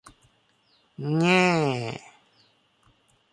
แง่